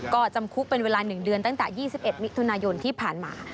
ก็จำคุกเป็นเวลา๑เดือนตั้งแต่๒๑มิถุนายนที่ผ่านมา